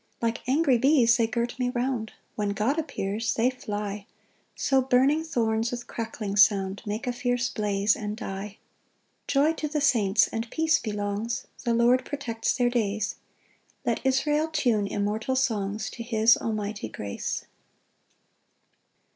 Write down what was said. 5 Like angry bees they girt me round; When God appears they fly: So burning thorns, with crackling sound, Make a fierce blaze and die. 6 Joy to the saints and peace belongs; The Lord protects their days: Let Israel tune immortal songs To his almighty grace.